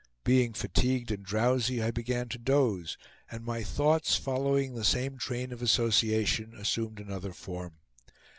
Being fatigued and drowsy I began to doze, and my thoughts, following the same train of association, assumed another form.